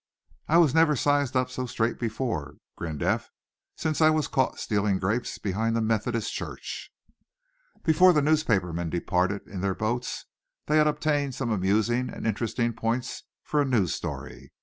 "I never was sized up so straight before," grinned Eph, "since I was caught stealing grapes behind the Methodist church." Before the newspaper men departed in their boats they had obtained some amusing and interesting points for a news "story."